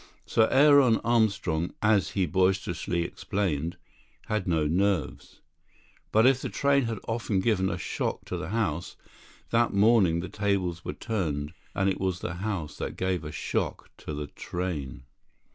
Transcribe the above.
Sir Aaron Armstrong, as he boisterously explained, had no nerves. But if the train had often given a shock to the house, that morning the tables were turned, and it was the house that gave a shock to the train.